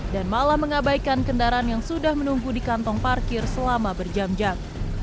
dan malah mengabaikan kendaraan yang sudah menunggu di kantong parkir selama berjam jam